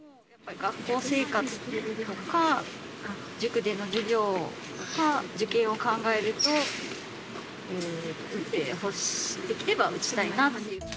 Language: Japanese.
学校生活とか、塾での授業とか、受験を考えると、打ってほしい、できれば打ちたいなっていう。